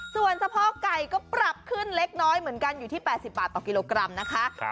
ส่วนสะพอกไก่ก็ปรับขึ้นเล็กน้อยเหมือนกันอยู่ที่๘๐บาทต่อกิโลกรัมนะคะ